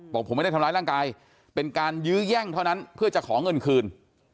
บอกผมไม่ได้ทำร้ายร่างกายเป็นการยื้อแย่งเท่านั้นเพื่อจะขอเงินคืน